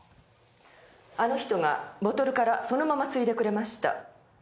あの人がボトルからそのまま注いでくれました。